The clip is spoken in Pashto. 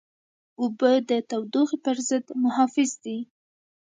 اوبه د تودوخې پر ضد محافظ دي.